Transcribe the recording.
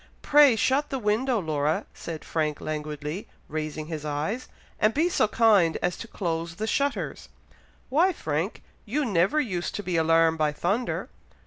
"Pray shut the window, Laura," said Frank languidly, raising his eyes; "and be so kind as to close the shutters!" "Why, Frank? you never used to be alarmed by thunder!"